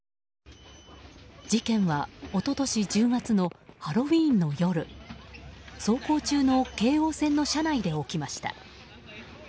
事件は一昨年１０月のハロウィーンの夜走行中の京王線の車内で起きました。